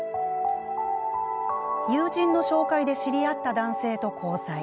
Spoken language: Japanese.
友人の紹介で知り合った男性と交際。